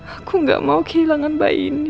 aku gak mau kehilangan bayi ini